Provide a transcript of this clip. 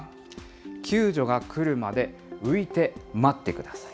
救助が来るまで浮いて待ってください。